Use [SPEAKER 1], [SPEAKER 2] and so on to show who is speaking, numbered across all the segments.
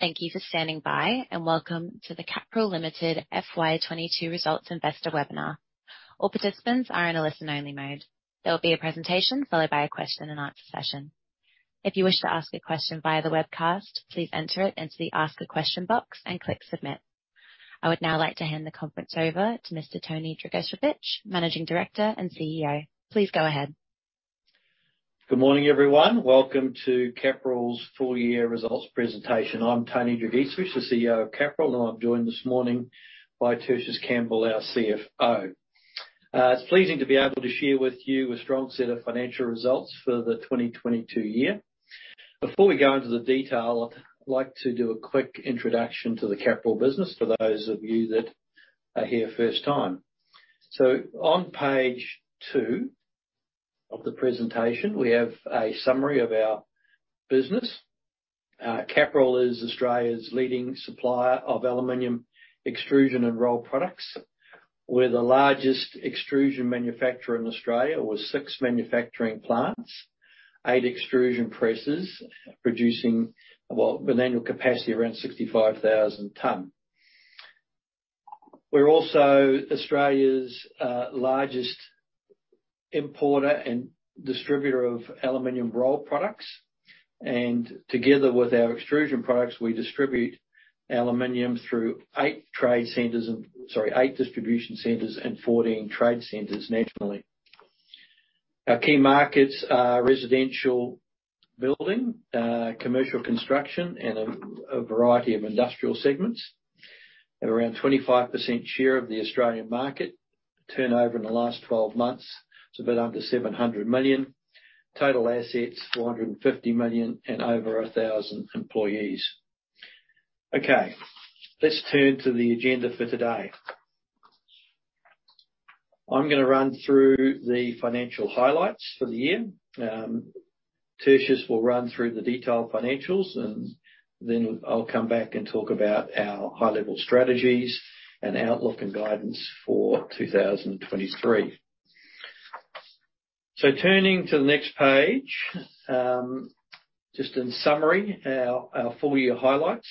[SPEAKER 1] Thank you for standing by, welcome to the Capral Limited FY22 results investor webinar. All participants are in a listen-only mode. There will be a presentation followed by a question and answer session. If you wish to ask a question via the webcast, please enter it into the ask a question box and click submit. I would now like to hand the conference over to Mr. Tony Dragicevich, Managing Director and CEO. Please go ahead.
[SPEAKER 2] Good morning, everyone. Welcome to Capral's full year results presentation. I'm Tony Dragicevich, the CEO of Capral, and I'm joined this morning by Tertius Campbell, our CFO. It's pleasing to be able to share with you a strong set of financial results for the 2022 year. Before we go into the detail, I'd like to do a quick introduction to the Capral business for those of you that are here first time. On page two of the presentation, we have a summary of our business. Capral is Australia's leading supplier of aluminum extrusion and rolled products. We're the largest extrusion manufacturer in Australia, with six manufacturing plants, eight extrusion presses, producing with an annual capacity around 65,000 tons. We're also Australia's largest importer and distributor of aluminum rolled products. Together with our extrusion products, we distribute aluminium through eight trade centers and eight distribution centers and 14 trade centers nationally. Our key markets are residential building, commercial construction, and a variety of industrial segments. At around 25% share of the Australian market. Turnover in the last 12 months is a bit under 700 million. Total assets, 450 million and over 1,000 employees. Okay. Let's turn to the agenda for today. I'm gonna run through the financial highlights for the year. Tertius will run through the detailed financials, and then I'll come back and talk about our high-level strategies and outlook and guidance for 2023. Turning to the next page, just in summary, our full year highlights.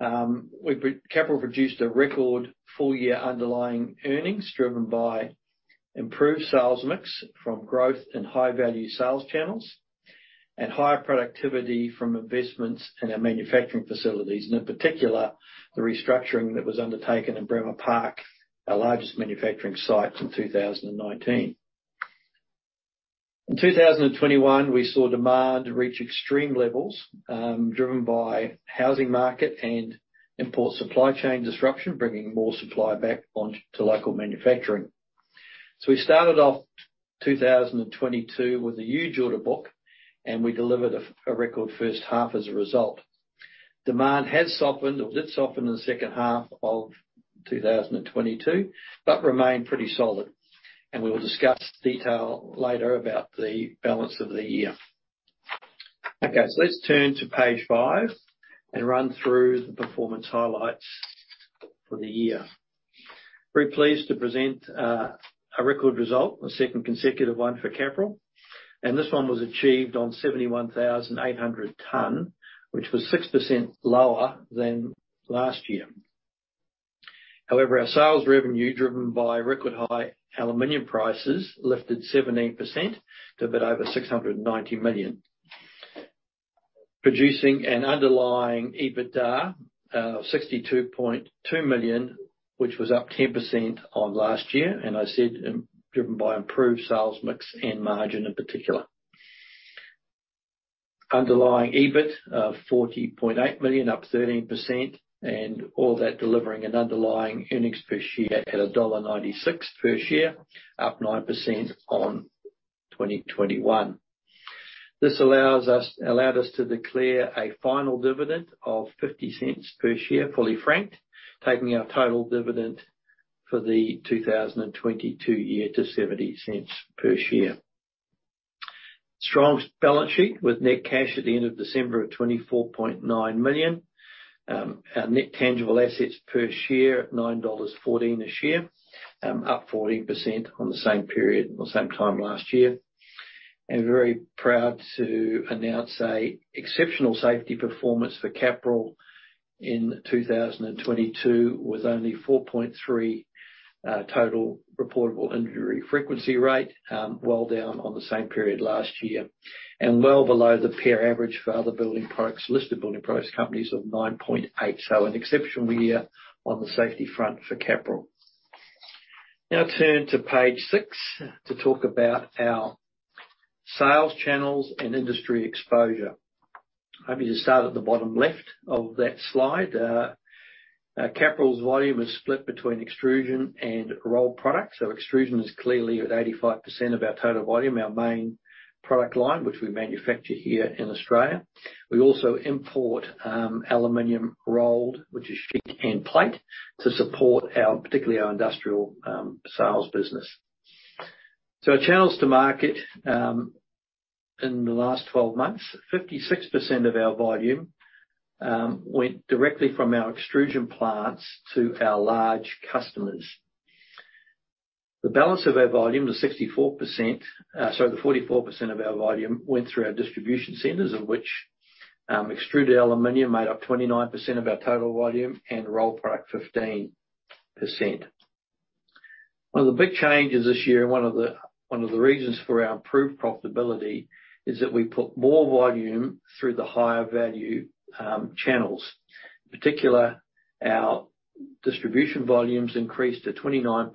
[SPEAKER 2] Capral produced a record full-year underlying earnings driven by improved sales mix from growth in high value sales channels and higher productivity from investments in our manufacturing facilities. In particular, the restructuring that was undertaken in Bremer Park, our largest manufacturing site, in 2019. In 2021, we saw demand reach extreme levels, driven by housing market and import supply chain disruption, bringing more supply back on to local manufacturing. We started off 2022 with a huge order book, and we delivered a record first half as a result. Demand has softened or did soften in the second half of 2022, but remained pretty solid. We will discuss detail later about the balance of the year. Let's turn to page 5 and run through the performance highlights for the year. Very pleased to present a record result, a second consecutive one for Capral. This one was achieved on 71,800 tons, which was 6% lower than last year. However, our sales revenue, driven by record high aluminum prices, lifted 17% to a bit over 690 million. Producing an underlying EBITDA of 62.2 million, which was up 10% on last year, and I said, driven by improved sales mix and margin in particular. Underlying EBIT of 40.8 million, up 13%, and all that delivering an underlying earnings per share at AUD 1.96 per share, up 9% on 2021. This allowed us to declare a final dividend of 0.50 per share, fully franked, taking our total dividend for the 2022 year to 0.70 per share. Strong balance sheet with net cash at the end of December of 24.9 million. Our net tangible assets per share at 9.14 a share, up 14% on the same period, on the same time last year. Very proud to announce a exceptional safety performance for Capral in 2022, with only 4.3 total reportable injury frequency rate, well down on the same period last year. Well below the peer average for other building products, listed building products companies of 9.8. An exceptional year on the safety front for Capral. Turn to page six to talk about our sales channels and industry exposure. Happy to start at the bottom left of that slide. Capral's volume is split between extrusion and rolled products. Extrusion is clearly at 85% of our total volume, our main product line, which we manufacture here in Australia. We also import aluminium rolled, which is sheet and plate, to support our, particularly our industrial, sales business. Our channels to market, in the last 12 months, 56% of our volume went directly from our extrusion plants to our large customers. The balance of our volume, the 44% of our volume went through our distribution centers, of which, extruded aluminium made up 29% of our total volume and rolled product 15%. One of the big changes this year and one of the reasons for our improved profitability is that we put more volume through the higher value, channels. In particular, our distribution volumes increased to 29%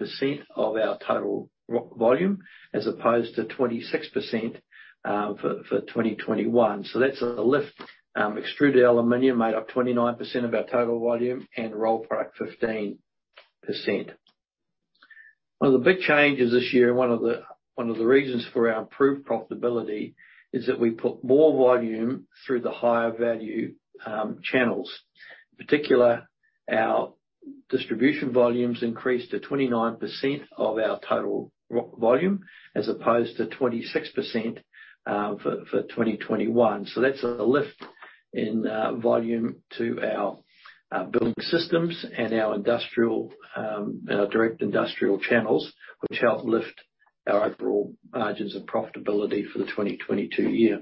[SPEAKER 2] of our total volume as opposed to 26% for 2021. That's a lift. Extruded aluminium made up 29% of our total volume and rolled product 15%. One of the big changes this year and one of the reasons for our improved profitability is that we put more volume through the higher value channels. In particular, our distribution volumes increased to 29% of our total volume as opposed to 26% for 2021. That's a lift in volume to our building systems and our industrial and our direct industrial channels, which helped lift our overall margins and profitability for the 2022 year.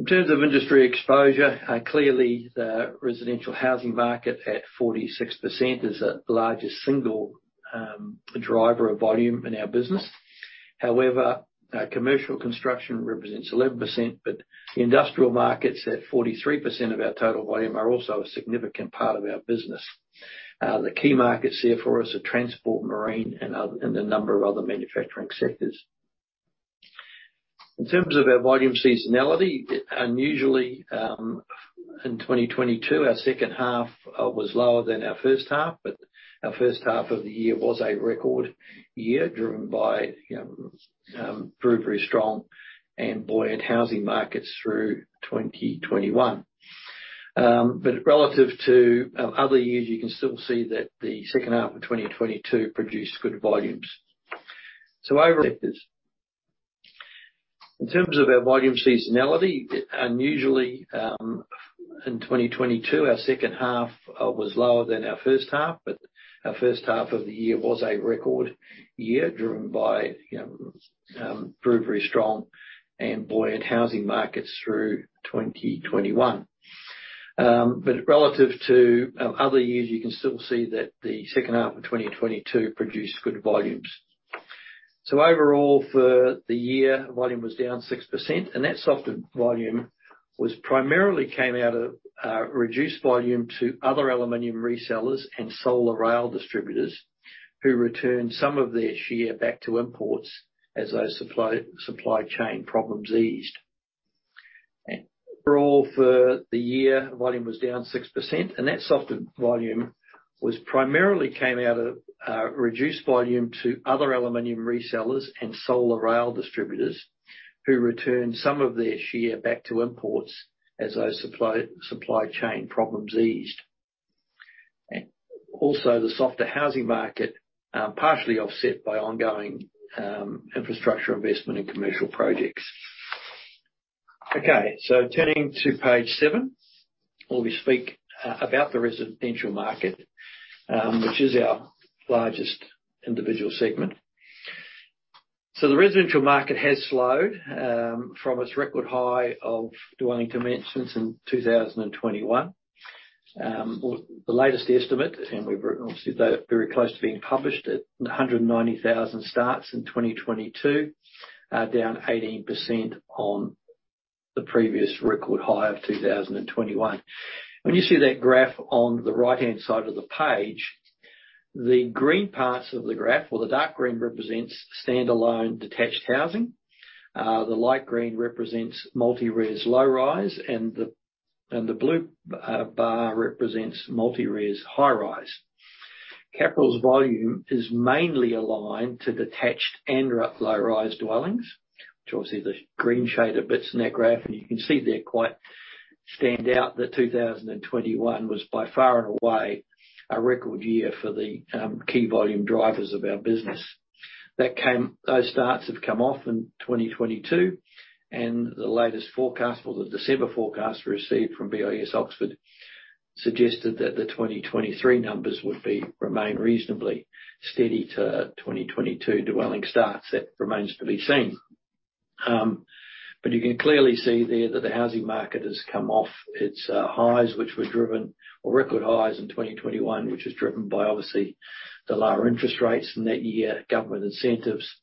[SPEAKER 2] In terms of industry exposure, clearly the residential housing market at 46% is the largest single driver of volume in our business. Commercial construction represents 11%, the industrial markets at 43% of our total volume are also a significant part of our business. The key markets here for us are transport, marine and other, and a number of other manufacturing sectors. In terms of our volume seasonality, unusually, in 2022, our second half was lower than our first half, our first half of the year was a record year driven by very, very strong and buoyant housing markets through 2021. Relative to other years, you can still see that the second half of 2022 produced good volumes. In terms of our volume seasonality, unusually, in 2022, our second half was lower than our first half, but our first half of the year was a record year driven by very, very strong and buoyant housing markets through 2021. Relative to other years, you can still see that the second half of 2022 produced good volumes. Overall for the year, volume was down 6%, and that softer volume was primarily came out of reduced volume to other aluminium resellers and solar rail distributors who returned some of their share back to imports as those supply chain problems eased. Overall for the year, volume was down 6%, and that softer volume was primarily came out of reduced volume to other aluminium resellers and solar rail distributors who returned some of their share back to imports as those supply chain problems eased. Also the softer housing market partially offset by ongoing infrastructure investment in commercial projects. Turning to page 7, where we speak about the residential market, which is our largest individual segment. The residential market has slowed from its record high of dwelling dimensions in 2021. Or the latest estimate, and we're obviously very close to being published, at 190,000 starts in 2022, down 18% on the previous record high of 2021. When you see that graph on the right-hand side of the page, the green parts of the graph or the dark green represents standalone detached housing. The light green represents multi-res low-rise, and the blue bar represents multi-res high-rise. Capral's volume is mainly aligned to detached and/or low-rise dwellings, which obviously the green shaded bits in that graph, and you can see they're quite stand out that 2021 was by far and away a record year for the key volume drivers of our business. Those starts have come off in 2022, and the latest forecast or the December forecast received from BIS Oxford suggested that the 2023 numbers would remain reasonably steady to 2022 dwelling starts. That remains to be seen. You can clearly see there that the housing market has come off its highs, which were driven or record highs in 2021, which is driven by obviously the lower interest rates in that year, government incentives,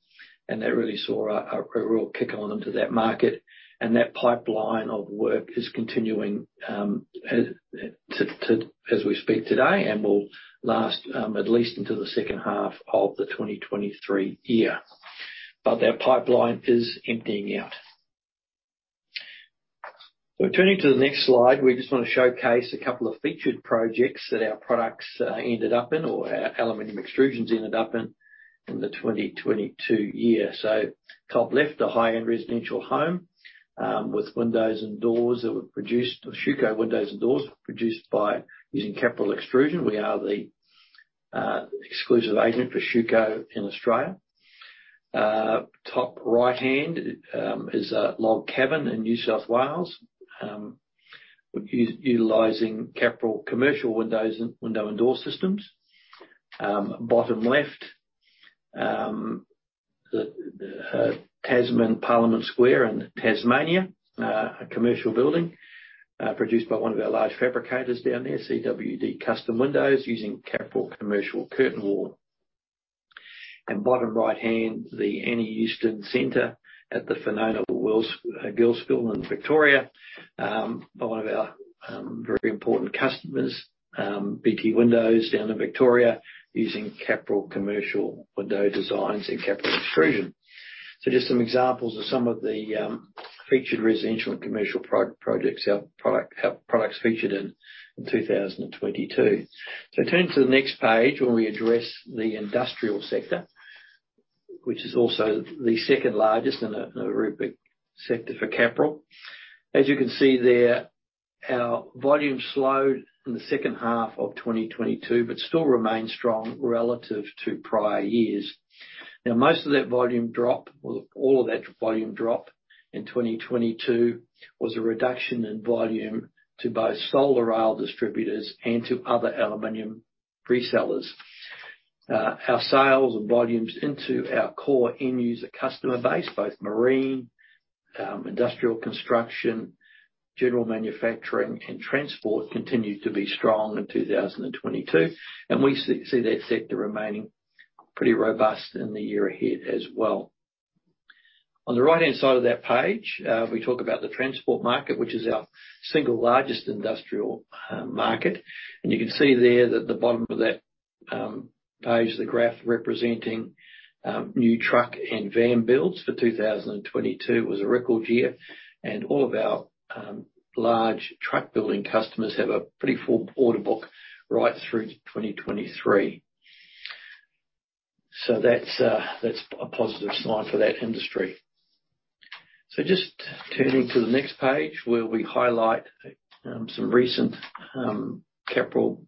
[SPEAKER 2] and that really saw a real kick on into that market. That pipeline of work is continuing as we speak today and will last at least into the second half of the 2023 year. Our pipeline is emptying out. Turning to the next slide, we just want to showcase a couple of featured projects that our products ended up in or our aluminum extrusions ended up in in the 2022 year. Top left, a high-end residential home, with windows and doors that were produced, or Schüco windows and doors produced by using Capral Extrusion. We are the exclusive agent for Schüco in Australia. Top right-hand is a log cabin in New South Wales, utilizing Capral commercial windows and window and door systems. Bottom left, the Tasman, Parliament Square in Tasmania. A commercial building produced by one of our large fabricators down there, CWD Custom Windows using Capral commercial curtain wall. Bottom right-hand, the Anneliese Houston Centre at the Fenella Wells, Girsel in Victoria. By one of our very important customers, BT Windows down in Victoria, using Capral commercial window designs and Capral extrusion. Just some examples of some of the featured residential and commercial projects our product, our products featured in in 2022. Turning to the next page where we address the industrial sector, which is also the second largest and a very big sector for Capral. As you can see there, our volume slowed in the second half of 2022, but still remains strong relative to prior years. Most of that volume drop, well all of that volume drop in 2022, was a reduction in volume to both solar rail distributors and to other aluminium resellers. Our sales and volumes into our core end user customer base, both marine, industrial construction, general manufacturing and transport, continued to be strong in 2022, and we see that sector remaining pretty robust in the year ahead as well. On the right-hand side of that page, we talk about the transport market, which is our single largest industrial market. You can see there that the bottom of that page, the graph representing new truck and van builds for 2022 was a record year. All of our large truck building customers have a pretty full order book right through to 2023. That's a positive sign for that industry. Just turning to the next page where we highlight some recent Capral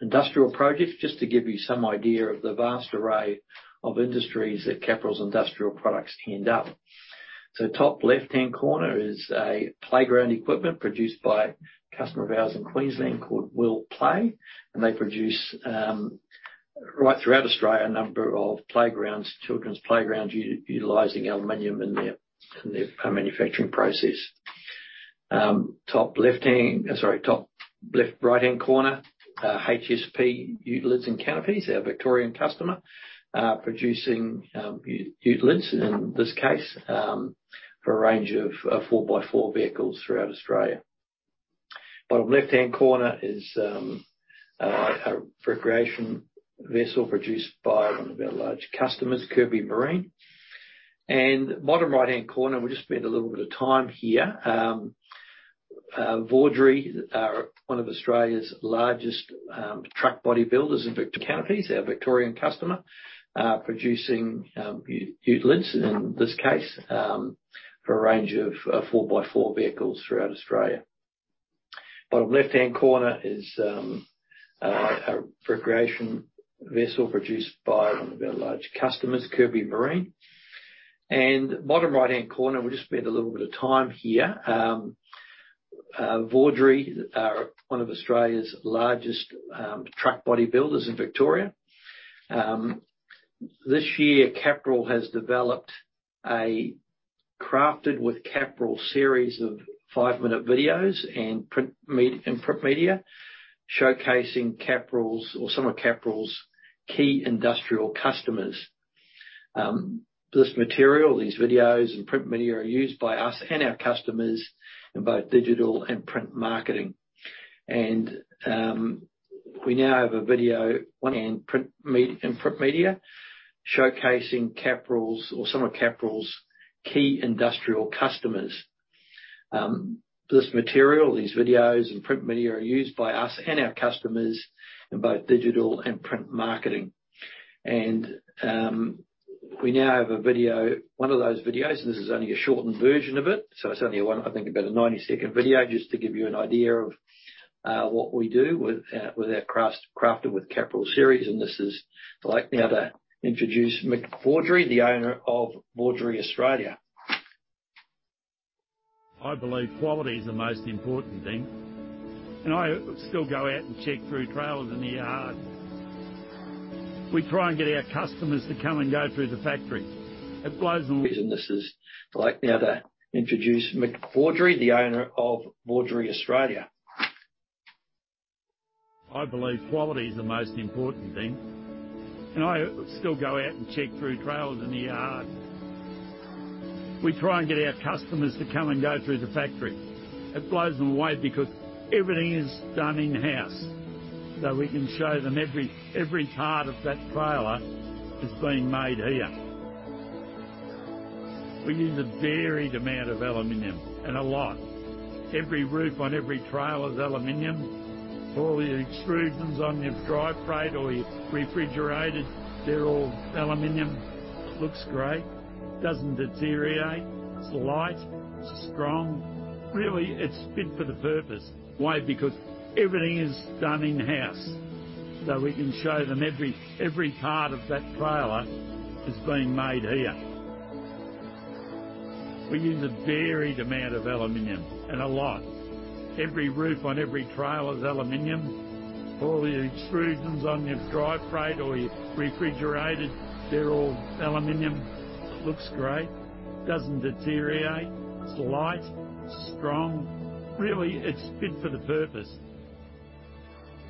[SPEAKER 2] industrial projects, just to give you some idea of the vast array of industries that Capral's industrial products end up. Top left-hand corner is a playground equipment produced by a customer of ours in Queensland called WillPlay, and they produce right throughout Australia, a number of playgrounds, children's playgrounds utilizing aluminum in their, in their manufacturing process. Top left, right-hand corner. HSP Ute Lids and Canopies, our Victorian customer, producing utilities in this case, for a range of 4x4 vehicles throughout Australia. Bottom left-hand corner is a recreation vessel produced by one of our large customers, Kirby Marine. Bottom right-hand corner, we'll just spend a little bit of time here. Vawdrey are one of Australia's largest truck body builders in Victoria. This year, Capral has developed a Crafted with Capral series of five-minute videos and print media showcasing Capral's or some of Capral's key industrial customers. This material, these videos and print media are used by us and our customers in both digital and print marketing. We now have a video and print media showcasing Capral's or some of Capral's key industrial customers. This material, these videos and print media are used by us and our customers in both digital and print marketing. We now have a video, one of those videos, and this is only a shortened version of it, so it's only one, I think, about a 90-second video, just to give you an idea of what we do with our Crafted with Capral series. This is... I'd like now to introduce Mick Vawdrey, the owner of Vawdrey Australia.
[SPEAKER 3] I believe quality is the most important thing, I still go out and check through trailers in the yard. We try and get our customers to come and go through the factory. It blows them away because everything is done in-house, so we can show them every part of that trailer is being made here. We use a varied amount of aluminium and a lot. Every roof on every trailer is aluminium. All the extrusions on your dry freight or your refrigerated, they're all aluminium. It looks great. Doesn't deteriorate. It's light, strong. Really, it's fit for the purpose. Why? Because everything is done in-house, so we can show them every part of that trailer is being made here. We use a varied amount of aluminium and a lot. Every roof on every trailer is aluminium. All the extrusions on your dry freight or your refrigerated, they're all aluminum. It looks great. Doesn't deteriorate. It's light, strong. Really, it's fit for the purpose.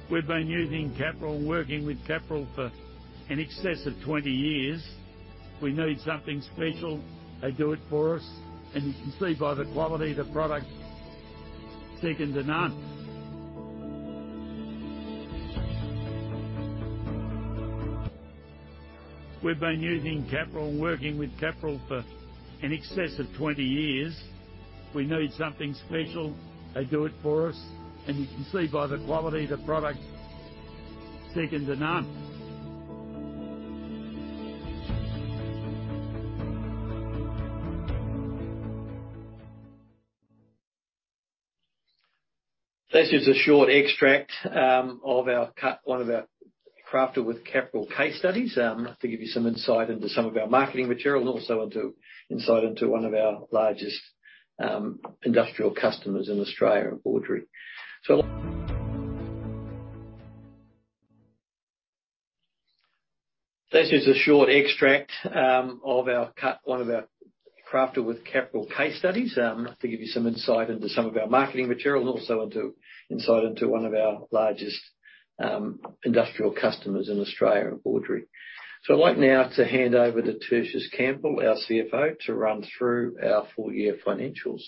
[SPEAKER 3] We've been using Capral and working with Capral for in excess of 20 years. We need something special, they do it for us. You can see by the quality of the product, second to none.
[SPEAKER 2] This is a short extract of one of our Crafted with Capral case studies to give you some insight into some of our marketing material and also into insight into one of our largest industrial customers in Australia, Vawdrey. I'd like now to hand over to Tertius Campbell, our CFO, to run through our full year financials.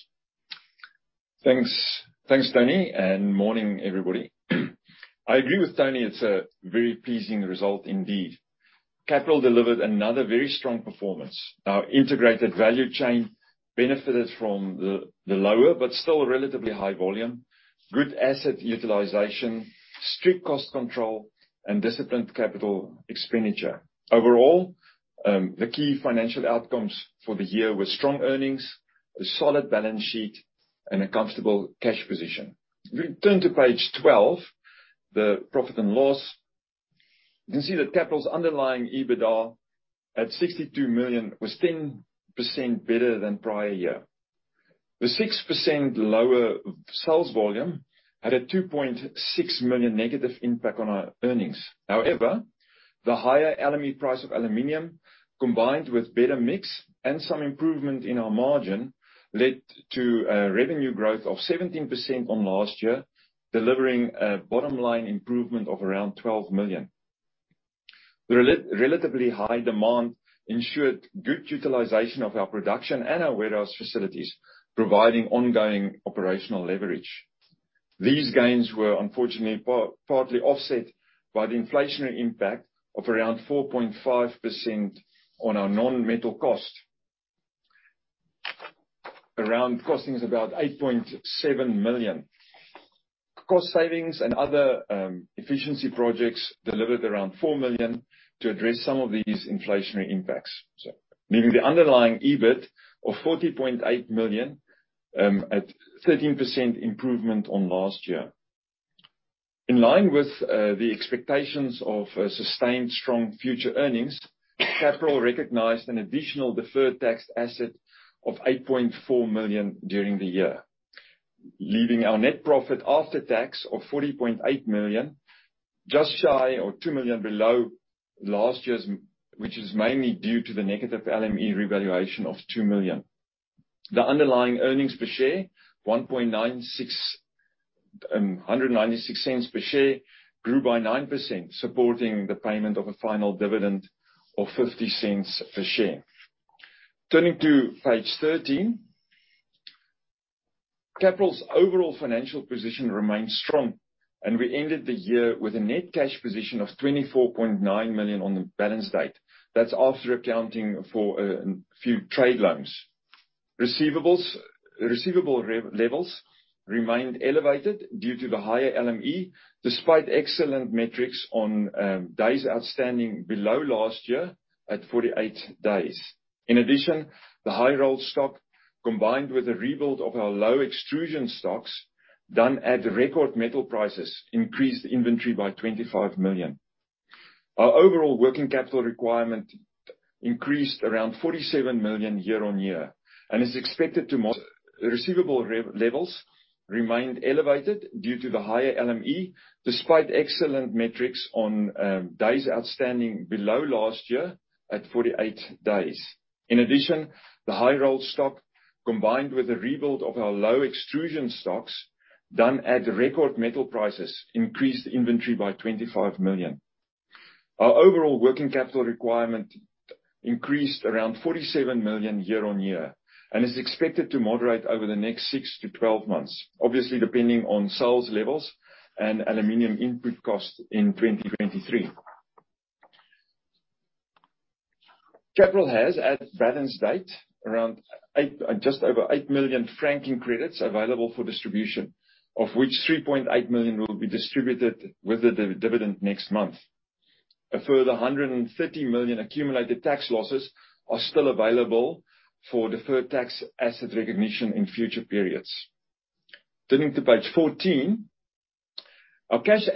[SPEAKER 4] Thanks. Thanks, Tony. Morning, everybody. I agree with Tony. It's a very pleasing result indeed. Capral delivered another very strong performance. Our integrated value chain benefited from the lower but still relatively high volume, good asset utilization, strict cost control, and disciplined capital expenditure. Overall, the key financial outcomes for the year were strong earnings, a solid balance sheet, and a comfortable cash position. If you turn to page 12, the profit and loss, you can see that Capral's underlying EBITDA at 62 million was 10% better than prior year. The 6% lower sales volume had a 2.6 million negative impact on our earnings. The higher LME price of aluminum, combined with better mix and some improvement in our margin, led to a revenue growth of 17% on last year, delivering a bottom line improvement of around 12 million. The relatively high demand ensured good utilization of our production and our warehouse facilities, providing ongoing operational leverage. These gains were unfortunately partly offset by the inflationary impact of around 4.5% on our non-metal costs. Around costing us about 8.7 million. Cost savings and other efficiency projects delivered around 4 million to address some of these inflationary impacts. Meaning the underlying EBIT of 40.8 million, at 13% improvement on last year. In line with the expectations of sustained strong future earnings, Capral recognized an additional deferred tax asset of 8.4 million during the year. Leaving our net profit after tax of 40.8 million, just shy or 2 million below last year's, which is mainly due to the negative LME revaluation of 2 million. The underlying earnings per share, 1.96, 1.96 per share, grew by 9%, supporting the payment of a final dividend of 0.50 per share. Turning to page 13. Capral's overall financial position remains strong, and we ended the year with a net cash position of 24.9 million on the balance date. That's after accounting for a few trade loans. Receivables, levels remained elevated due to the higher LME, despite excellent metrics on days outstanding below last year at 48 days. In addition, the high rolled stock, combined with the rebuild of our low extrusion stocks, done at record metal prices, increased inventory by AUD 25 million. The receivable levels remained elevated due to the higher LME, despite excellent metrics on days outstanding below last year at 48 days. In addition, the high rolled stock, combined with the rebuild of our low extrusion stocks, done at record metal prices, increased inventory by 25 million. Our overall working capital requirement increased around AUD 47 million year-over-year and is expected to moderate over the next 6 to 12 months, obviously depending on sales levels and aluminum input costs in 2023. Capral has, at balance date, around 8 million franking credits available for distribution, of which 3.8 million will be distributed with the dividend next month. A further 130 million accumulated tax losses are still available for deferred tax asset recognition in future periods. Turning to page 14. Our cash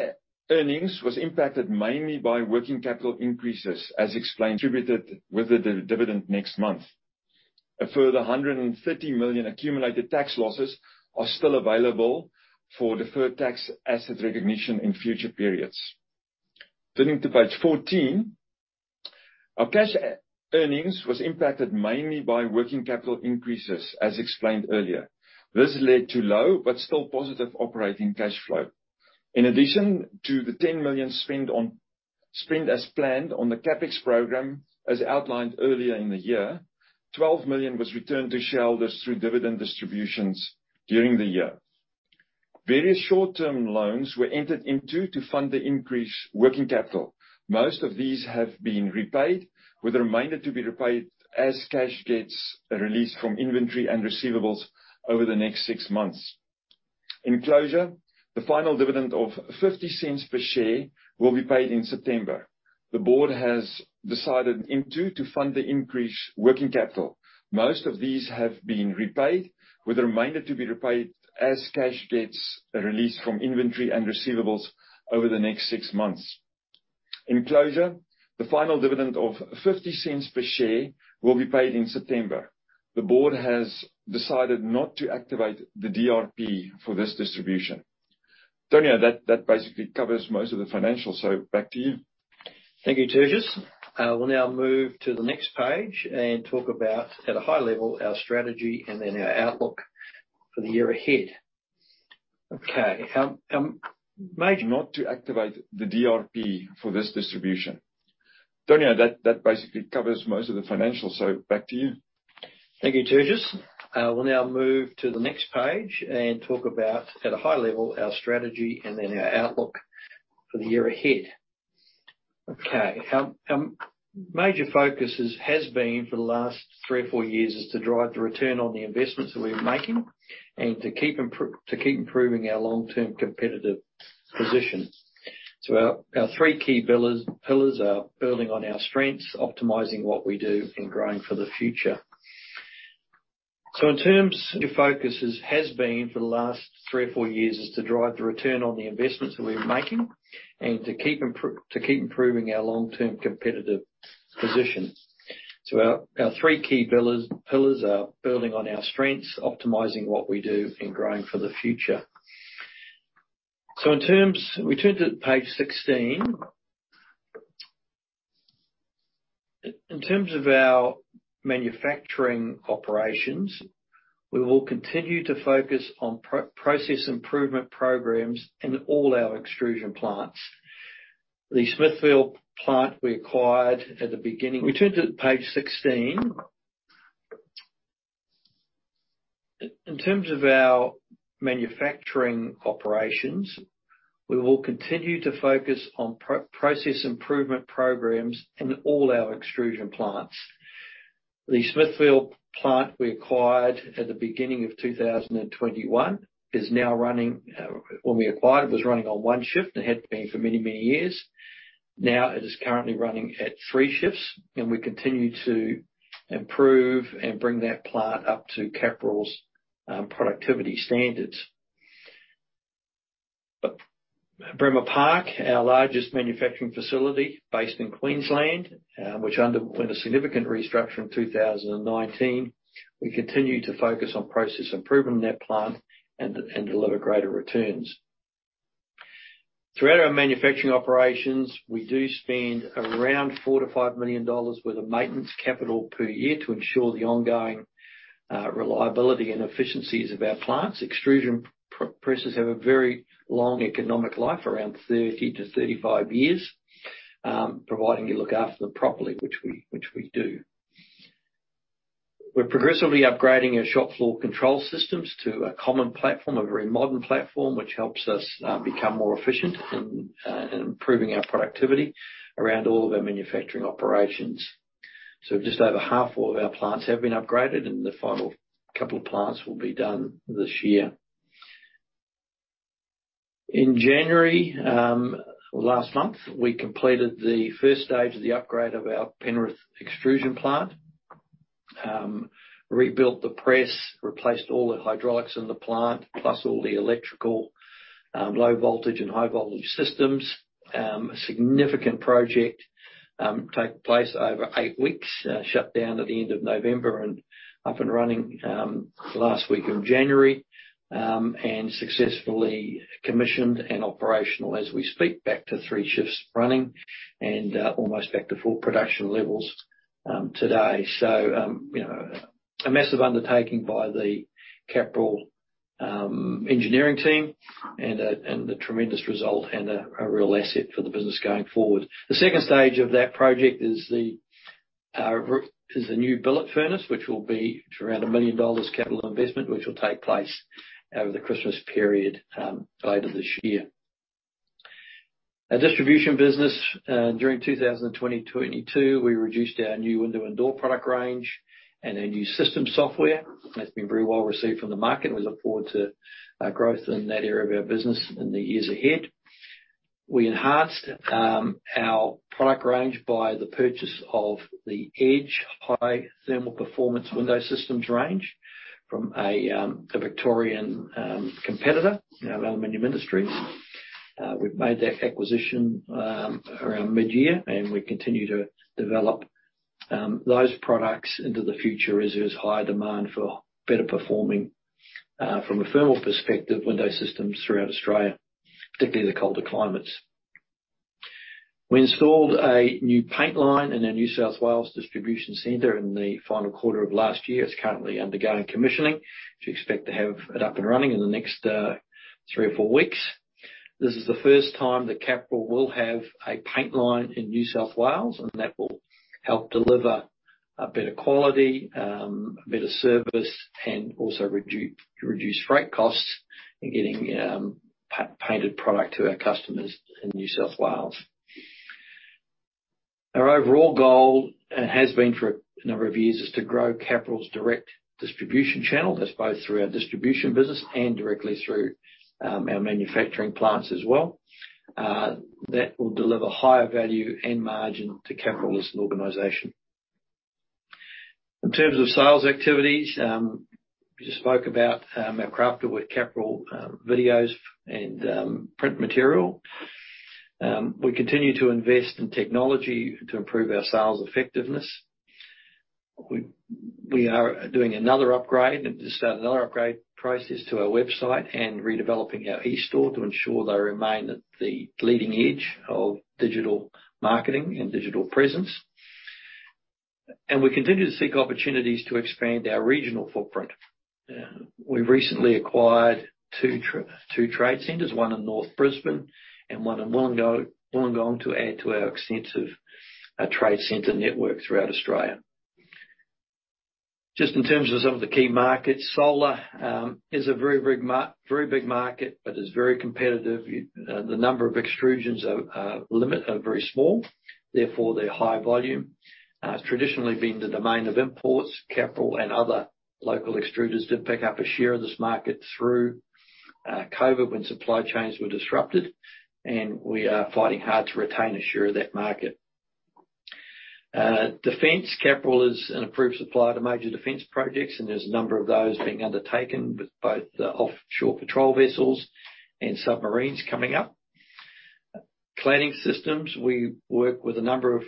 [SPEAKER 4] e-earnings was impacted mainly by working capital increases, as explained, tributed with the dividend next month. A further 130 million accumulated tax losses are still available for deferred tax asset recognition in future periods. Turning to page 14. Our cash e-earnings was impacted mainly by working capital increases, as explained earlier. This led to low, but still positive operating cash flow. In addition to the 10 million spend as planned on the CapEx program, as outlined earlier in the year, 12 million was returned to shareholders through dividend distributions during the year. Various short-term loans were entered into to fund the increased working capital. Most of these have been repaid, with the remainder to be repaid as cash gets released from inventory and receivables over the next six months. In closure, the final dividend of 0.50 per share will be paid in September. The board has decided into to fund the increased working capital. Most of these have been repaid, with the remainder to be repaid as cash gets released from inventory and receivables over the next six months. In closure, the final dividend of 0.50 per share will be paid in September. The board has decided not to activate the DRP for this distribution. Tony, that basically covers most of the financials. Back to you.
[SPEAKER 2] Thank you, Tertius. We'll now move to the next page and talk about, at a high level, our strategy and then our outlook for the year ahead. Major focuses has been for the last three or four years is to drive the return on the investments that we're making and to keep improving our long-term competitive position. Our three key pillars are building on our strengths, optimizing what we do, and growing for the future. We turn to page 16. In terms of our manufacturing operations, we will continue to focus on process improvement programs in all our extrusion plants. The Smithfield plant we acquired at the beginning of 2021 is now running, when we acquired it was running on 1 shift. It had been for many, many years. Now it is currently running at three shifts, and we continue to improve and bring that plant up to Capral's productivity standards. Bremer Park, our largest manufacturing facility based in Queensland, which underwent a significant restructure in 2019, we continue to focus on process improvement in that plant and deliver greater returns. Throughout our manufacturing operations, we do spend around 4 million-5 million dollars worth of maintenance capital per year to ensure the ongoing reliability and efficiencies of our plants. Extrusion presses have a very long economic life, around 30-35 years, providing you look after them properly, which we do. We're progressively upgrading our shop floor control systems to a common platform, a very modern platform, which helps us become more efficient in improving our productivity around all of our manufacturing operations. Just over half of our plants have been upgraded and the final couple of plants will be done this year. In January, last month, we completed the first stage of the upgrade of our Penrith extrusion plant. Rebuilt the press, replaced all the hydraulics in the plant, plus all the electrical, low voltage and high voltage systems. A significant project took place over eight weeks. Shut down at the end of November and up and running last week of January. Successfully commissioned and operational as we speak, back to three shifts running and almost back to full production levels today. You know, a massive undertaking by the Capral engineering team and a tremendous result and a real asset for the business going forward. The second stage of that project is the new billet furnace, which will be around 1 million dollars capital investment, which will take place over the Christmas period later this year. Our distribution business during 2022, we reduced our new window and door product range and our new system software. That's been very well received from the market and we look forward to growth in that area of our business in the years ahead. We enhanced our product range by the purchase of the EDGE High Thermal Performance window systems range from a Victorian competitor, you know, Aluminium Industries. We've made that acquisition, around mid-year, and we continue to develop those products into the future as there's higher demand for better performing, from a thermal perspective, window systems throughout Australia, particularly the colder climates. We installed a new paint line in our New South Wales distribution center in the final quarter of last year. It's currently undergoing commissioning. We expect to have it up and running in the next three or four weeks. This is the first time that Capral will have a paint line in New South Wales, and that will help deliver a better quality, a better service, and also reduce freight costs in getting painted product to our customers in New South Wales. Our overall goal, and has been for a number of years, is to grow Capral's direct distribution channel. That's both through our distribution business and directly through our manufacturing plants as well. That will deliver higher value and margin to Capral as an organization. In terms of sales activities, we just spoke about our Crafted with Capral videos and print material. We continue to invest in technology to improve our sales effectiveness. We are doing another upgrade, just starting another upgrade process to our website and redeveloping our e-store to ensure they remain at the leading edge of digital marketing and digital presence. We continue to seek opportunities to expand our regional footprint. We've recently acquired two trade centers, one in North Brisbane and one in Wollongong to add to our extensive trade center network throughout Australia. Just in terms of some of the key markets, solar, is a very, very big market, but it's very competitive. The number of extrusions are limit, are very small, therefore they're high volume. It's traditionally been the domain of imports. Capral and other local extruders did pick up a share of this market through COVID when supply chains were disrupted, and we are fighting hard to retain a share of that market. Defense. Capral is an approved supplier to major defense projects, and there's a number of those being undertaken with both the offshore patrol vessels and submarines coming up. Cladding systems. We work with a number of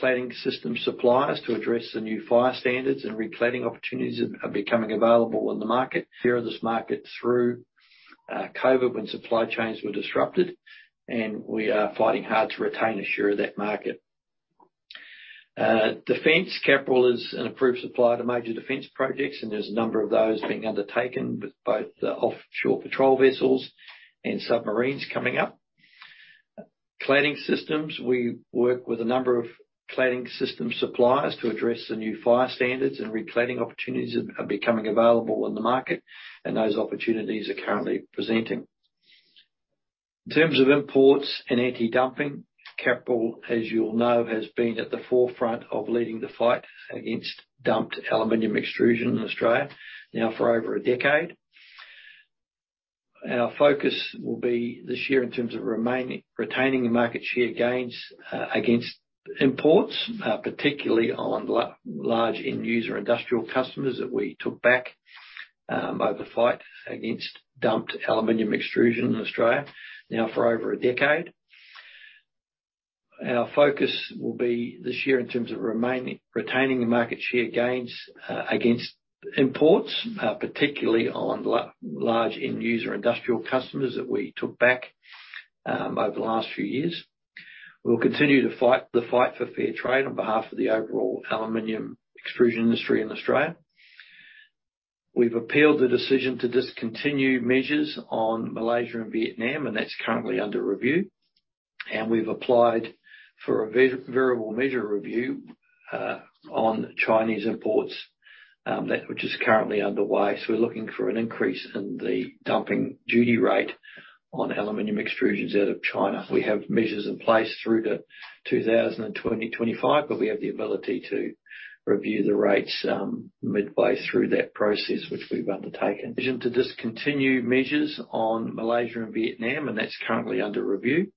[SPEAKER 2] cladding system suppliers to address the new fire standards and recladding opportunities that are becoming available in the market. Share of this market through COVID when supply chains were disrupted, and we are fighting hard to retain a share of that market. Defense. Capral is an approved supplier to major defense projects, and there's a number of those being undertaken with both the offshore patrol vessels and submarines coming up. Cladding systems. We work with a number of cladding system suppliers to address the new fire standards and recladding opportunities that are becoming available in the market, and those opportunities are currently presenting. In terms of imports and anti-dumping, Capral, as you all know, has been at the forefront of leading the fight against dumped aluminium extrusion in Australia now for over a decade. Our focus will be this year in terms of retaining the market share gains against imports, particularly on large end user industrial customers that we took back over the fight against dumped aluminium extrusion in Australia now for over a decade. Our focus will be this year in terms of retaining the market share gains against imports, particularly on large end user industrial customers that we took back over the last few years. We'll continue to fight the fight for fair trade on behalf of the overall aluminium extrusion industry in Australia. We've appealed the decision to discontinue measures on Malaysia and Vietnam. That's currently under review. We've applied for a variable measure review on Chinese imports that which is currently underway. We're looking for an increase in the dumping duty rate on aluminium extrusions out of China. We have measures in place through to 2025, but we have the ability to review the rates midway through that process, which we've undertaken. Decision to discontinue measures on Malaysia and Vietnam, and that's currently under review.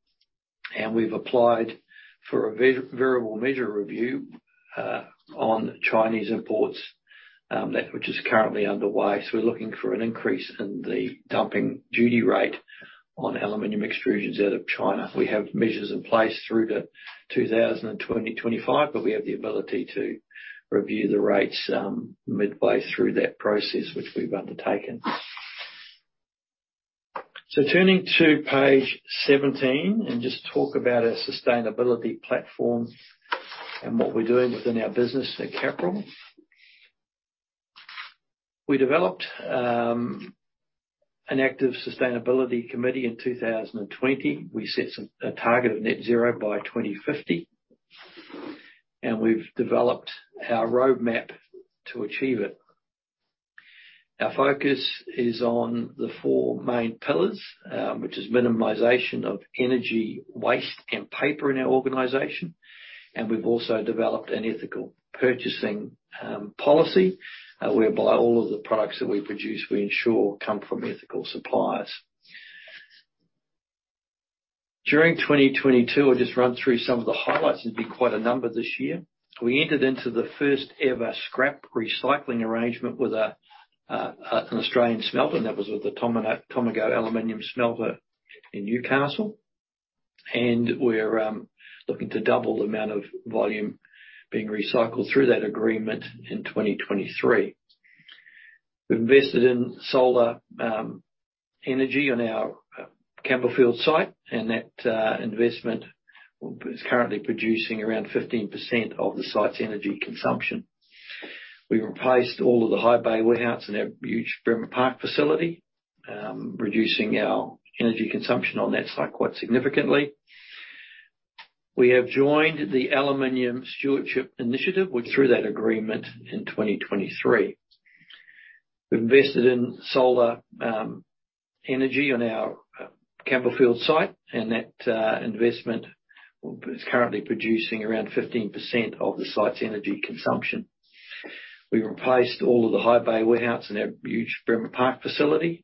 [SPEAKER 2] We've applied for a variable measure review on Chinese imports, that which is currently underway. We're looking for an increase in the dumping duty rate on aluminium extrusions out of China. We have measures in place through to 2025, but we have the ability to review the rates midway through that process, which we've undertaken. Turning to page 17 and just talk about our sustainability platform and what we're doing within our business at Capral. We developed an active sustainability committee in 2020. We set a target of net zero by 2050, and we've developed our roadmap to achieve it. Our focus is on the four main pillars, which is minimization of energy waste and paper in our organization. We've also developed an ethical purchasing policy, whereby all of the products that we produce, we ensure come from ethical suppliers. During 2022, I'll just run through some of the highlights. There's been quite a number this year. We entered into the first ever scrap recycling arrangement with an Australian smelter, and that was with the Tomago Aluminium Smelter in Newcastle. We're looking to double the amount of volume being recycled through that agreement in 2023. We've invested in solar energy on our Campbellfield site, and that investment is currently producing around 15% of the site's energy consumption. We replaced all of the high bay warehouse in our huge Bremer Park facility, reducing our energy consumption on that site quite significantly. We have joined the Aluminium Stewardship Initiative, which through that agreement in 2023. We've invested in solar energy on our Campbellfield site, and that investment is currently producing around 15% of the site's energy consumption. We replaced all of the high bay warehouse in our huge Bremer Park facility,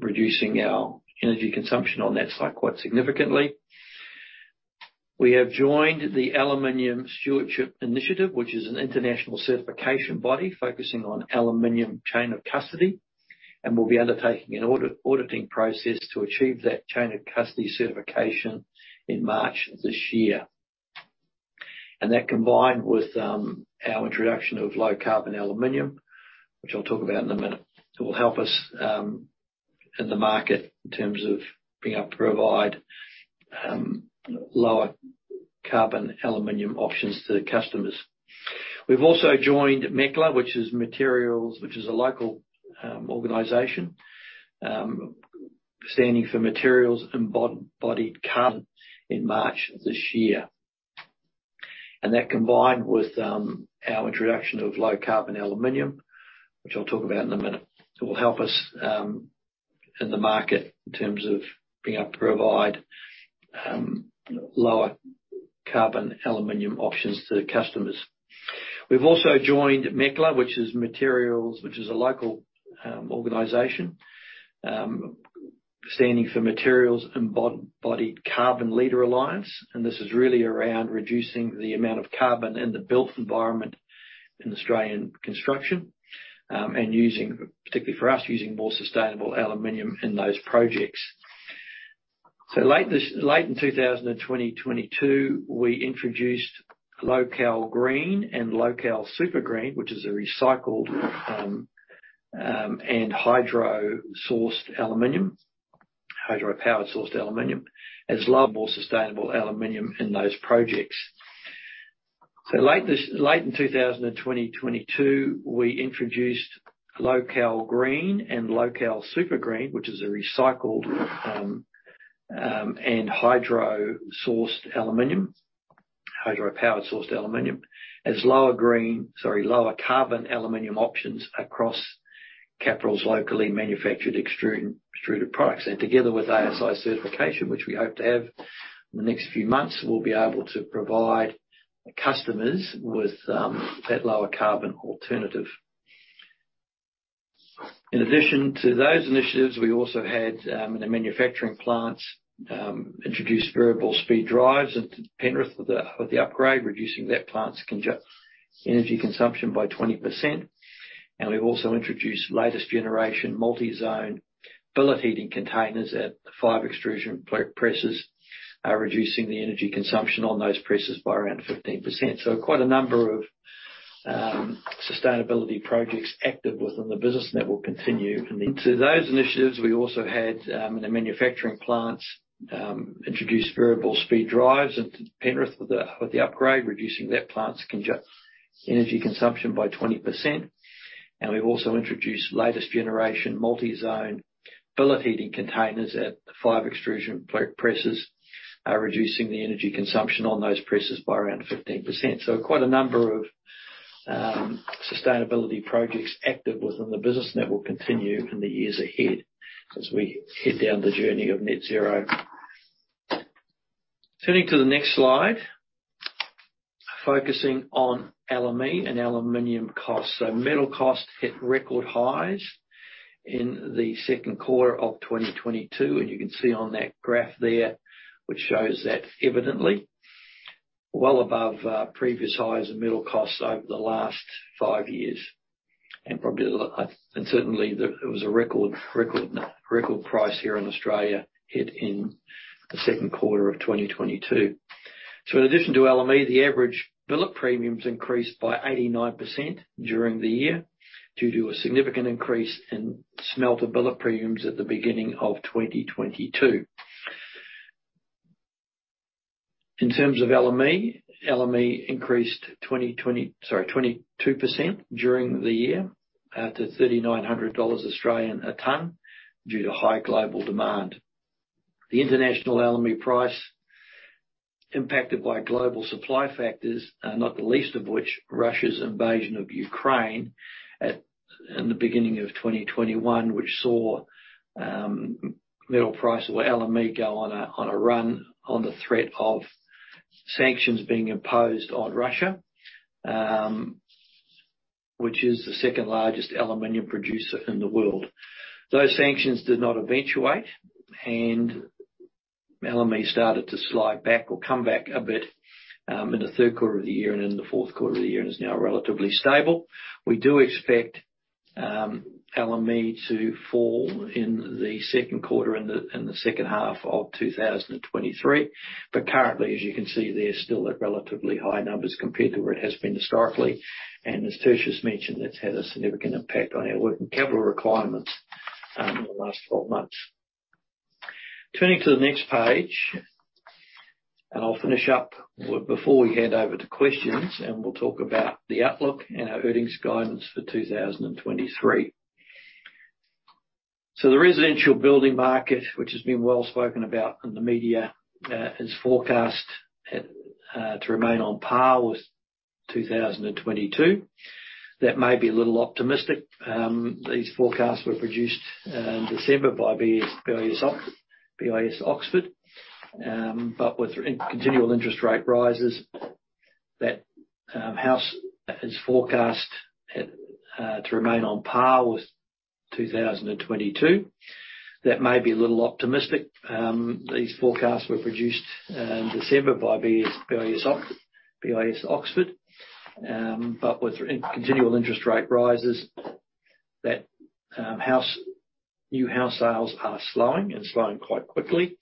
[SPEAKER 2] reducing our energy consumption on that site quite significantly. We have joined the Aluminium Stewardship Initiative, which is an international certification body focusing on aluminium chain of custody, and we'll be undertaking an auditing process to achieve that chain of custody certification in March this year. That, combined with, our introduction of low-carbon aluminium, which I'll talk about in a minute, will help us in the market in terms of being able to provide lower carbon aluminium options to the customers. We've also joined MECLA, which is Materials, which is a local organization, standing for Materials Embodied Carbon, in March this year. That, combined with, our introduction of low-carbon aluminium, which I'll talk about in a minute, will help us in the market in terms of being able to provide lower carbon aluminium options to the customers. We've also joined MECLA, which is Materials, which is a local organization, standing for Materials Embodied Carbon Leader Alliance. This is really around reducing the amount of carbon in the built environment in Australian construction, and using, particularly for us, using more sustainable aluminium in those projects. Late in 2022, we introduced LocAl Green and LocAl Super Green, which is a recycled, and hydro-powered sourced aluminium, as lower carbon aluminium options across Capral's locally manufactured extruded products. Together with ASI certification, which we hope to have in the next few months. We'll be able to provide customers with that lower carbon alternative. In addition to those initiatives, we also had in the manufacturing plants introduced variable speed drives into Penrith with the, with the upgrade, reducing that plant's energy consumption by 20%. We've also introduced latest generation multi-zone billet heating containers at five extrusion pre-presses, reducing the energy consumption on those presses by around 15%. Quite a number of sustainability projects active within the business that will continue in the- Quite a number of sustainability projects active within the business that will continue in the years ahead as we head down the journey of net zero. Turning to the next slide. Focusing on LME and aluminium costs. Metal costs hit record highs in the second quarter of 2022, and you can see on that graph there, which shows that evidently. Well above previous highs in metal costs over the last five years and probably and certainly there, it was a record price here in Australia hit in the second quarter of 2022. In addition to LME, the average billet premiums increased by 89% during the year due to a significant increase in smelter billet premiums at the beginning of 2022. In terms of LME increased sorry, 22% during the year, to 3,900 Australian dollars a ton due to high global demand. The international LME price impacted by global supply factors, not the least of which, Russia's invasion of Ukraine at, in the beginning of 2021, which saw metal price or LME go on a run on the threat of sanctions being imposed on Russia, which is the second largest aluminium producer in the world. Those sanctions did not eventuate. LME started to slide back or come back a bit in the third quarter of the year and in the fourth quarter of the year, and is now relatively stable. We do expect LME to fall in the second quarter, in the second half of 2023. Currently, as you can see, they're still at relatively high numbers compared to where it has been historically. As Tertius mentioned, that's had a significant impact on our working capital requirements in the last 12 months. Turning to the next page, and I'll finish up before we hand over to questions, and we'll talk about the outlook and our earnings guidance for 2023. The residential building market, which has been well spoken about in the media, is forecast to remain on par with 2022. That may be a little optimistic. These forecasts were produced in December by BIS Oxford. With continual interest rate rises that house is forecast to remain on par with 2022. That may be a little optimistic. These forecasts were produced in December by BIS Oxford. With in-continual interest rate rises that house, new house sales are slowing, and slowing quite quickly.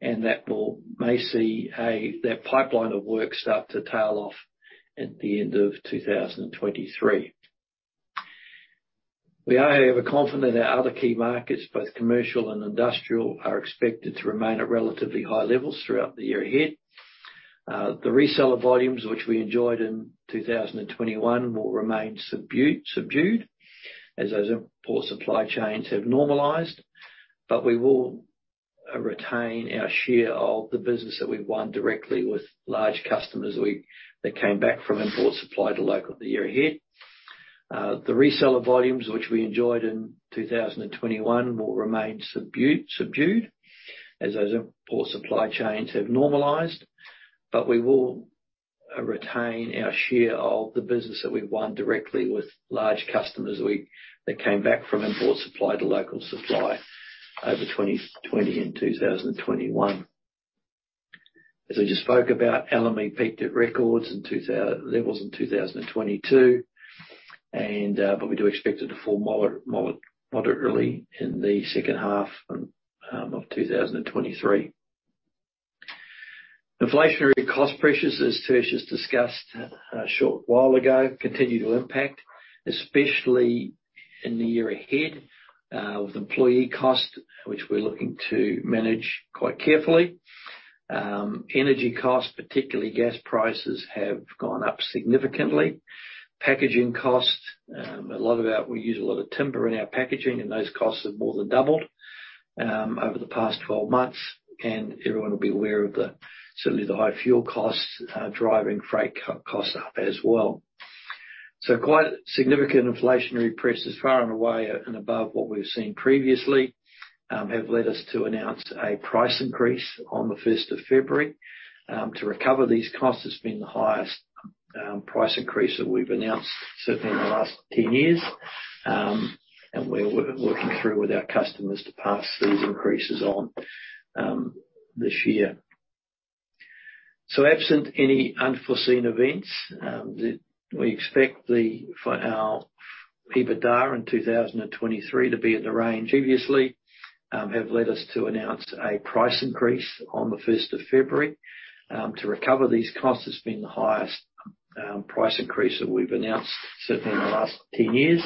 [SPEAKER 2] That will may see a, their pipeline of work start to tail off at the end of 2023. We are however confident our other key markets, both commercial and industrial, are expected to remain at relatively high levels throughout the year ahead. The reseller volumes, which we enjoyed in 2021 will remain subdued as those import supply chains have normalized. We will retain our share of the business that we've won directly with large customers that came back from import supply to local the year ahead. The reseller volumes which we enjoyed in 2021 will remain subdued as those import supply chains have normalized. We will retain our share of the business that we've won directly with large customers that came back from import supply to local supply over 2020 and 2021. As I just spoke about, LME peaked at records in levels in 2022. We do expect it to fall moderately in the second half of 2023. Inflationary cost pressures, as Tertius discussed a short while ago, continue to impact, especially in the year ahead, with employee costs, which we're looking to manage quite carefully. Energy costs, particularly gas prices, have gone up significantly. Packaging costs. We use a lot of timber in our packaging, and those costs have more than doubled over the past 12 months. Everyone will be aware of the, certainly, the high fuel costs, driving freight costs up as well. Quite significant inflationary pressures, far and away and above what we've seen previously, have led us to announce a price increase on the 1st of February to recover these costs. It's been the highest price increase that we've announced certainly in the last 10 years. We're working through with our customers to pass these increases on this year. Absent any unforeseen events, we expect for our EBITDA in 2023 to be in the range previously, have led us to announce a price increase on the first of February. To recover these costs, it's been the highest price increase that we've announced certainly in the last 10 years.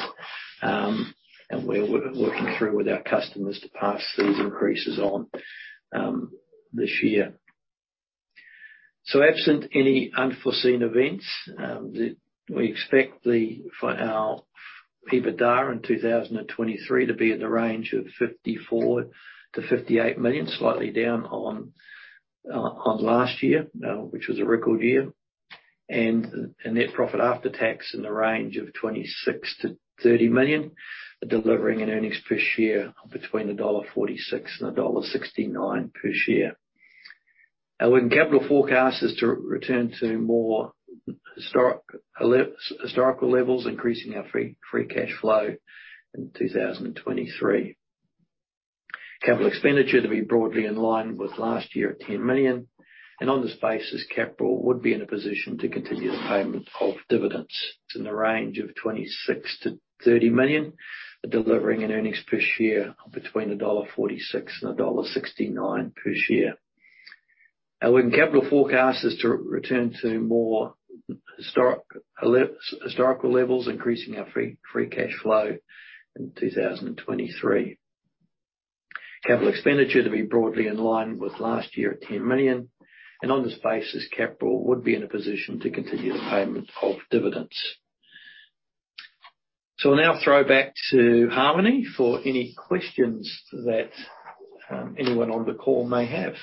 [SPEAKER 2] We're working through with our customers to pass these increases on this year. Absent any unforeseen events, we expect for our EBITDA in 2023 to be in the range of 54 million-58 million, slightly down on last year, which was a record year. A net profit after tax in the range of 26 million-30 million, delivering an earnings per share between dollar 1.46 and dollar 1.69 per share. Our working capital forecast is to return to more historical levels, increasing our free cash flow in 2023. CapEx to be broadly in line with last year at 10 million. On this basis, Capral would be in a position to continue the payment of dividends in the range of 26 million-30 million, delivering an earnings per share between dollar 1.46 and dollar 1.69 per share. Our working capital forecast is to return to more historical levels, increasing our free cash flow in 2023. CapEx to be broadly in line with last year at 10 million. On this basis, Capral would be in a position to continue the payment of dividends. We'll now throw back to Harmony for any questions that anyone on the call may have.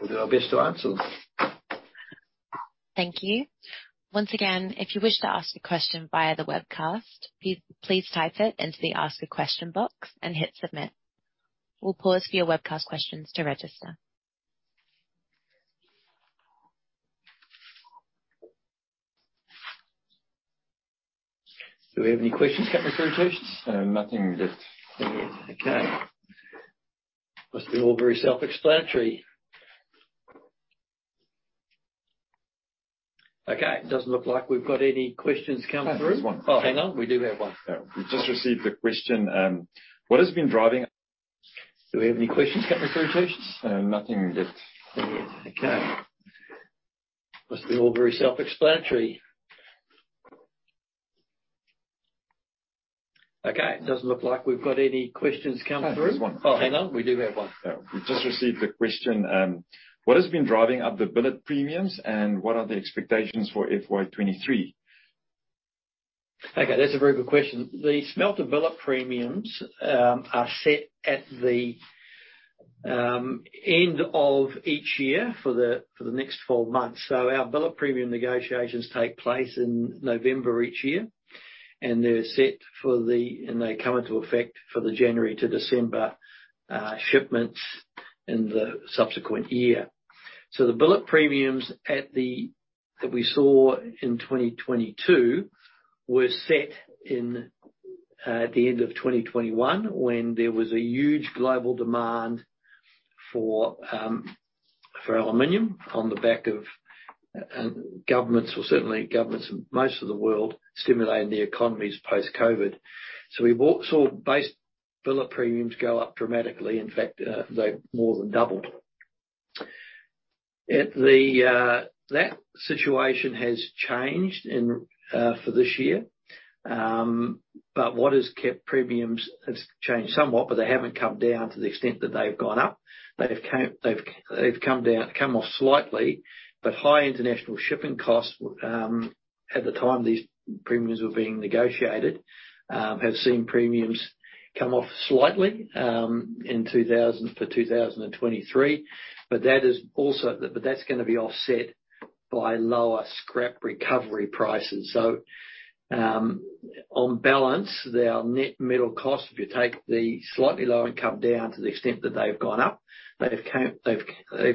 [SPEAKER 2] We'll do our best to answer them.
[SPEAKER 1] Thank you. Once again, if you wish to ask a question via the webcast, please type it into the ask a question box and hit Submit. We'll pause for your webcast questions to register.
[SPEAKER 2] Do we have any questions
[SPEAKER 4] Nothing yet.
[SPEAKER 2] Nothing yet. Okay. Must be all very self-explanatory. Okay. Doesn't look like we've got any questions come through.
[SPEAKER 4] There's one.
[SPEAKER 2] Oh, hang on. We do have one.
[SPEAKER 4] Yeah. We just received a question: What has been driving up the billet premiums, and what are the expectations for FY23?
[SPEAKER 2] Okay, that's a very good question. The smelted billet premiums are set at the end of each year for the next four months. Our billet premium negotiations take place in November each year, and they come into effect for the January to December shipments in the subsequent year. The billet premiums that we saw in 2022 were set at the end of 2021, when there was a huge global demand for aluminium on the back of governments or certainly governments in most of the world stimulating their economies post-COVID. We saw base billet premiums go up dramatically. In fact, they more than doubled. That situation has changed for this year. What has kept premiums, has changed somewhat, but they haven't come down to the extent that they've gone up. They've come, they've come down, come off slightly, but high international shipping costs, at the time these premiums were being negotiated, have seen premiums come off slightly, for 2023. That's gonna be offset by lower scrap recovery prices. On balance, our net metal cost, if you take the slightly lower and come down to the extent that they've gone up, they've come, they've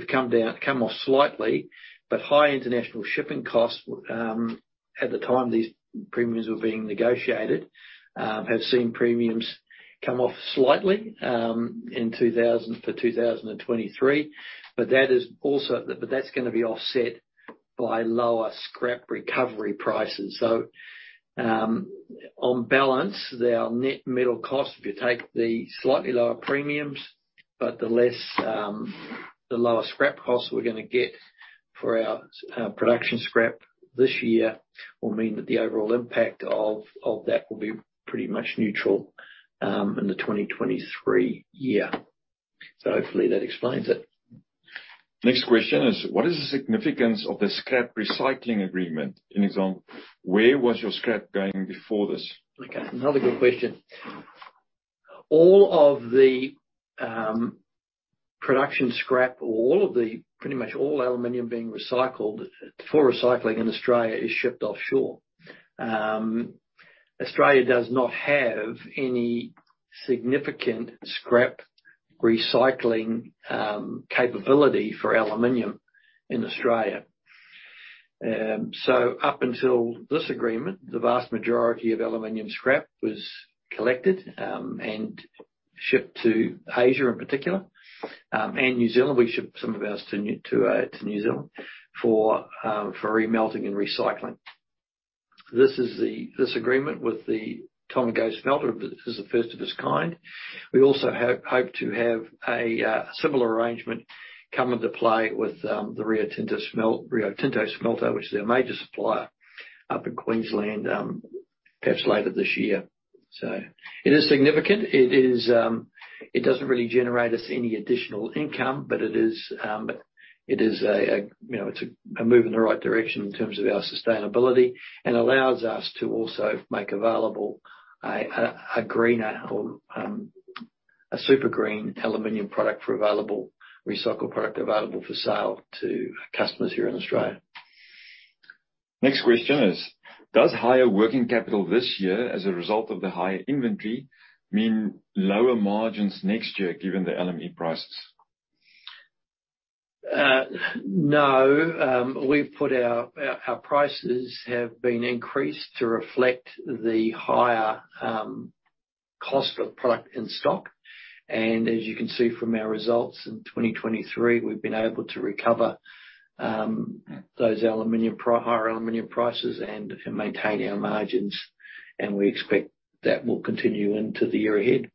[SPEAKER 2] come down, come off slightly. High international shipping costs, at the time these premiums were being negotiated, have seen premiums come off slightly, for 2023. That's gonna be offset by lower scrap recovery prices. On balance, our net metal cost, if you take the slightly lower premiums, but the less, the lower scrap costs we're gonna get for our production scrap this year, will mean that the overall impact of that will be pretty much neutral in the 2023 year. Hopefully that explains it.
[SPEAKER 4] Next question is: What is the significance of the scrap recycling agreement? An example, where was your scrap going before this?
[SPEAKER 2] Okay. Another good question. All of the production scrap, pretty much all aluminium being recycled, for recycling in Australia is shipped offshore. Australia does not have any significant scrap recycling capability for aluminium in Australia. Up until this agreement, the vast majority of aluminium scrap was collected and shipped to Asia, in particular, and New Zealand. We ship some of ours to New Zealand for remelting and recycling. This agreement with the Tomago Aluminium is the first of its kind. We also hope to have a similar arrangement come into play with the Rio Tinto smelter, which is our major supplier up in Queensland, perhaps later this year. It is significant. It is, it doesn't really generate us any additional income, but it is, it is a, you know, it's a move in the right direction in terms of our sustainability and allows us to also make available a greener or a super green aluminium product for recycled product available for sale to customers here in Australia.
[SPEAKER 4] Next question is: Does higher working capital this year as a result of the higher inventory, mean lower margins next year given the LME prices?
[SPEAKER 2] No. We've put our prices have been increased to reflect the higher cost of product in stock. As you can see from our results in 2023, we've been able to recover those higher aluminium prices and maintain our margins. We expect that will continue into the year ahead.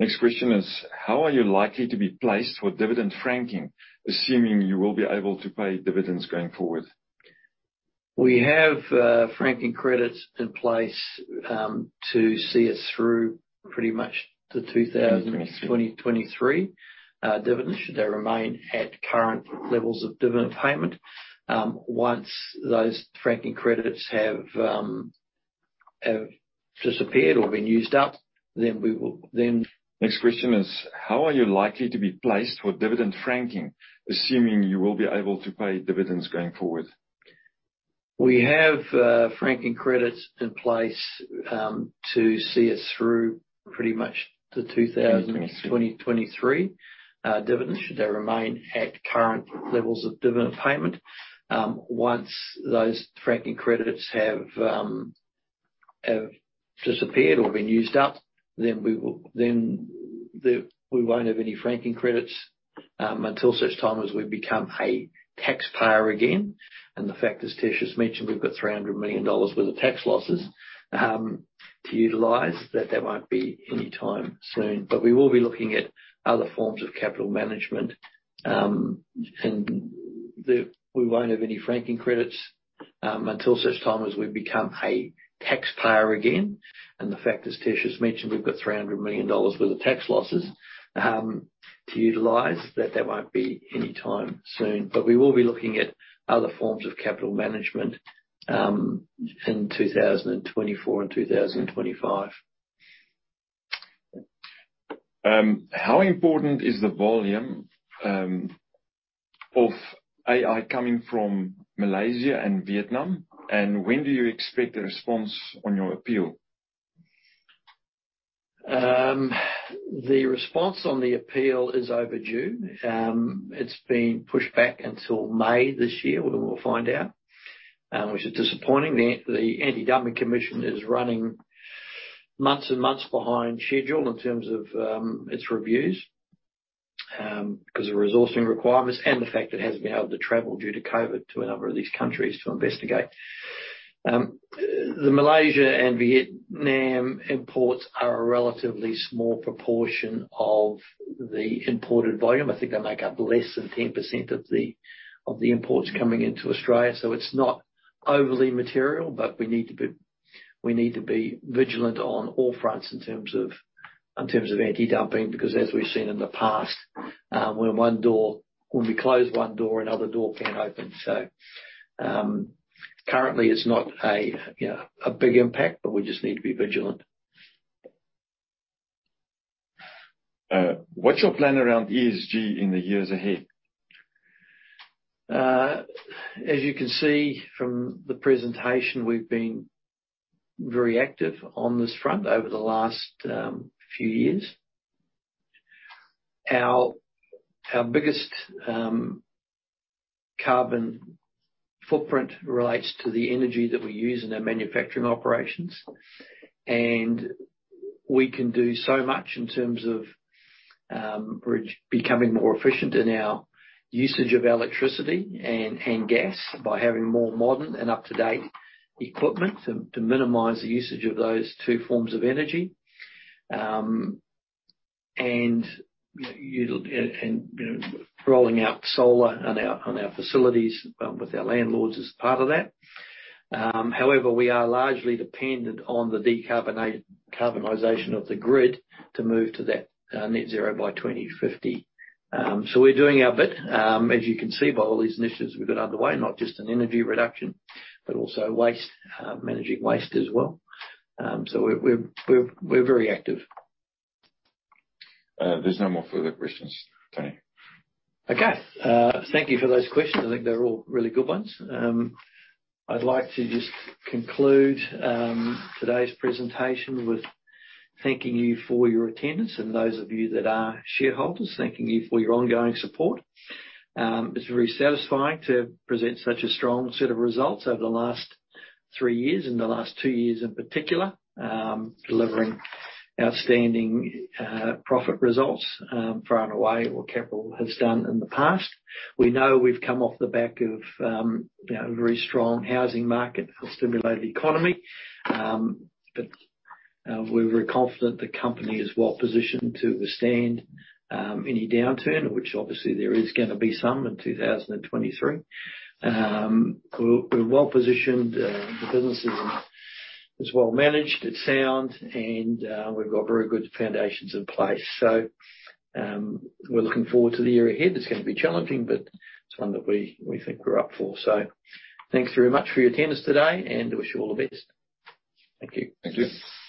[SPEAKER 4] Next question is: How are you likely to be placed with dividend franking, assuming you will be able to pay dividends going forward?
[SPEAKER 2] We have franking credits in place to see us through pretty much to 2023 dividends, should they remain at current levels of dividend payment. Once those franking credits have disappeared or been used up, we will then
[SPEAKER 4] Next question is, how are you likely to be placed for dividend franking, assuming you will be able to pay dividends going forward?
[SPEAKER 2] We have franking credits in place to see us through pretty much to 2023 dividends, should they remain at current levels of dividend payment. Once those franking credits have disappeared or been used up, then we won't have any franking credits until such time as we become a taxpayer again. The fact is, Tertius has mentioned we've got 300 million dollars worth of tax losses to utilize that there won't be any time soon. We will be looking at other forms of capital management, in 2024 and 2025.
[SPEAKER 4] How important is the volume of AI coming from Malaysia and Vietnam? When do you expect a response on your appeal?
[SPEAKER 2] The response on the appeal is overdue. It's been pushed back until May this year, when we'll find out, which is disappointing. The Anti-Dumping Commission is running months and months behind schedule in terms of its reviews because of resourcing requirements and the fact it hasn't been able to travel due to COVID to a number of these countries to investigate. The Malaysia and Vietnam imports are a relatively small proportion of the imported volume. I think they make up less than 10% of the imports coming into Australia. It's not overly material, but we need to be vigilant on all fronts in terms of anti-dumping, because as we've seen in the past, when we close one door, another door can open. Currently it's not a big impact, but we just need to be vigilant.
[SPEAKER 4] What's your plan around ESG in the years ahead?
[SPEAKER 2] As you can see from the presentation, we've been very active on this front over the last few years. Our biggest carbon footprint relates to the energy that we use in our manufacturing operations, we can do so much in terms of becoming more efficient in our usage of electricity and gas by having more modern and up-to-date equipment to minimize the usage of those two forms of energy. You know, rolling out solar on our facilities with our landlords as part of that. However, we are largely dependent on the decarbonization of the grid to move to that net zero by 2050. We're doing our bit, as you can see by all these initiatives we've got underway, not just in energy reduction, but also waste, managing waste as well. We're very active.
[SPEAKER 4] There's no more further questions, Tony.
[SPEAKER 2] Okay. Thank you for those questions. I think they're all really good ones. I'd like to just conclude today's presentation with thanking you for your attendance, and those of you that are shareholders, thanking you for your ongoing support. It's very satisfying to present such a strong set of results over the last three years and the last two years in particular, delivering outstanding profit results, far and away what Capral has done in the past. We know we've come off the back of, you know, very strong housing market that stimulated the economy. We're very confident the company is well-positioned to withstand any downturn, which obviously there is gonna be some in 2023. We're well-positioned. The business is well managed, it's sound, and we've got very good foundations in place. We're looking forward to the year ahead. It's gonna be challenging, but it's one that we think we're up for. Thanks very much for your attendance today, and wish you all the best. Thank you.
[SPEAKER 4] Thank you.